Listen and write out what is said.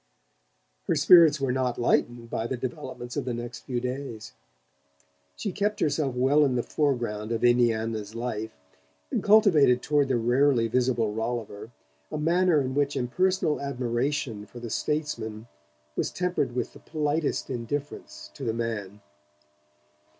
Her spirits were not lightened by the developments of the next few days. She kept herself well in the foreground of Indiana's life, and cultivated toward the rarely visible Rolliver a manner in which impersonal admiration for the statesman was tempered with the politest indifference to the man.